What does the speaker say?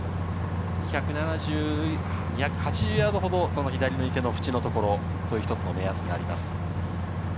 ２８０ヤードほど左の池の縁のところという一つの目安があります。